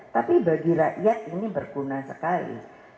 tapi bagi rakyat ini berguna sekali